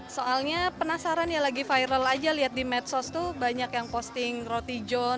soalnya penasaran ya lagi viral aja lihat di medsos tuh banyak yang posting roti john